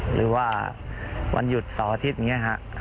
หรือว่าวันหยุดเสาร์อาทิตย์อย่างนี้ฮะ